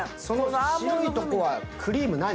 その白いところはクリーム？